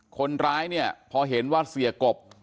คนร้ายพอเห็นว่าเสียกลบ